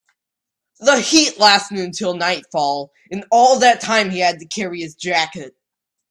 The heat lasted until nightfall, and all that time he had to carry his jacket.